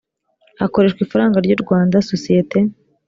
hakoreshwa ifaranga ry u rwanda sosiyete